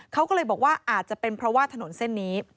เขาก็เลยบอกว่าอาจจะเป็นเพราะว่าถนนเส้นนี้